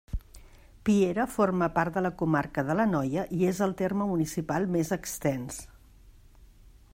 Piera forma part de la comarca de l'Anoia i és el terme municipal més extens.